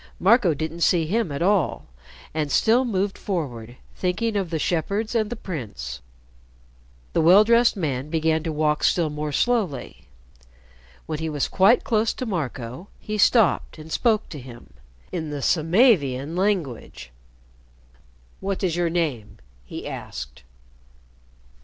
Marco didn't see him at all, and still moved forward, thinking of the shepherds and the prince. The well dressed man began to walk still more slowly. When he was quite close to Marco, he stopped and spoke to him in the Samavian language. "What is your name?" he asked.